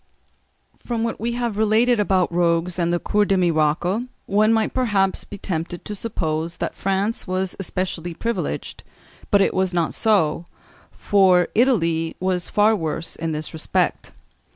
From what we have related about rogues and the Cours des Miracles, one might perhaps be tempted to suppose that France was specially privileged; but it was not so, for Italy was far worse in this respect.